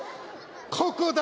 ここだ！